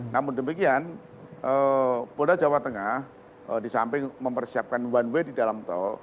namun demikian polda jawa tengah di samping mempersiapkan one way di dalam tol